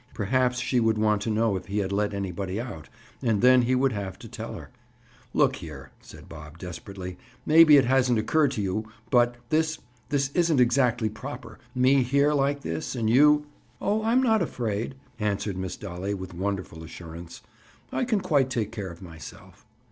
Perhaps she would want to know if he had let anybody out, and then he would have to tell her— "Look here," said Bob desperately. "Maybe it hasn't occurred to you, but—this—this isn't exactly proper. Me here, like this, and you—" "Oh, I'm not afraid," answered Miss Dolly with wonderful assurance. "I can quite take care of myself."